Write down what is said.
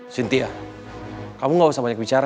cynthia kamu gak usah banyak bicara